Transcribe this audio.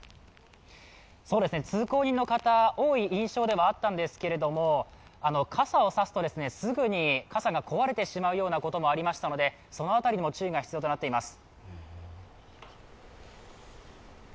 通行人の方、多い印象ではあったんですけれども、傘を差すとすぐに傘が壊れてしまうようなこともありましたので、その辺りも注意が必要となっています。